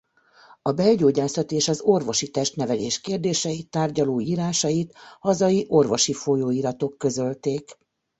A belgyógyászat és az orvosi testnevelés kérdéseit tárgyaló írásait hazai orvosi folyóiratok közölték.